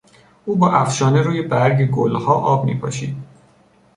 او با افشانه روی برگ گلها آب میپاشید.